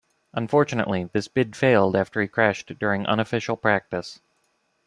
Unfortunately, this bid failed after he crashed during unofficial practice.